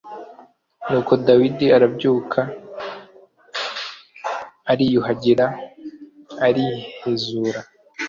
Nuko dawidi arabyuka ariyuhagira arihezura